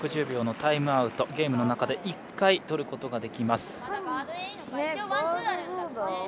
６０秒のタイムアウトをゲームの中で１回、取ることができます。